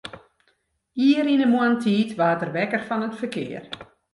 Ier yn 'e moarntiid waard er wekker fan it ferkear.